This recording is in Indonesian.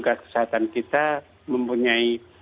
karena petugas kesehatan kita mempunyai